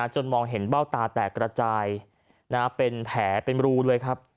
มองเห็นเบ้าตาแตกกระจายเป็นแผลเป็นรูเลยครับ